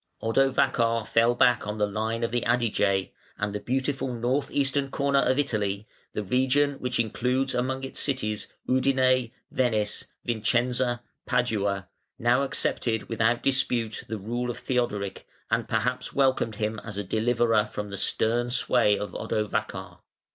Odovacar fell back on the line of the Adige, and the beautiful north eastern corner of Italy, the region which includes among its cities Udine, Venice, Vicenza, Padua, now accepted without dispute the rule of Theodoric, and perhaps welcomed him as a deliverer from the stern sway of Odovacar.